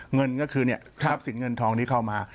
เงินก็คือคราฟสิทธิ์เงินทองที่เขามา